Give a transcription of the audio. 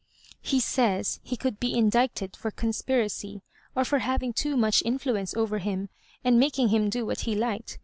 " He says he could be indicted for conspiracy, or for having too much influence over him, and making him do what he liked.